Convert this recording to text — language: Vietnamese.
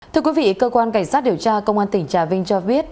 thưa quý vị cơ quan cảnh sát điều tra công an tỉnh trà vinh cho biết